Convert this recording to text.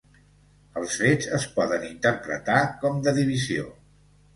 Els fets es poden interpretar com de divisió.